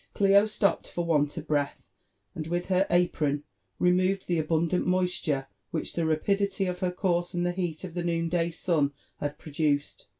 Clio stopped for want of breath, and with her apron removed the abundant moisture which the rapidity of her course and the beat of the noon day sun had produced.